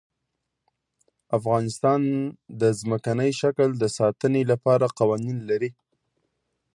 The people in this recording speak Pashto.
افغانستان د ځمکنی شکل د ساتنې لپاره قوانین لري.